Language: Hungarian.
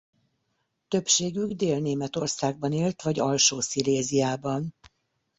Többségük dél Németországban élt vagy alsó Sziléziában.